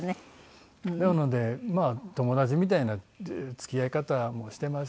なのでまあ友達みたいな付き合い方もしてますし。